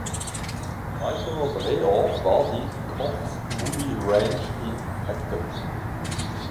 Weiterer Drehort war die "Koch’s Movie Ranch" in Acton.